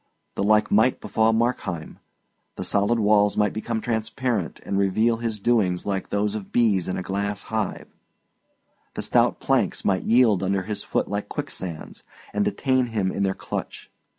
The like might befall Markheim: the solid walls might become transparent and reveal his doings like those of bees in a glass hive; the stout planks might yield under his foot like quicksands and detain him in their clutch.